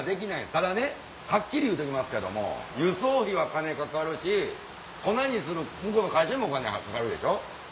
ただねはっきり言うときますけども輸送費は金かかるし粉にする向こうの会社にもお金かかるでしょ。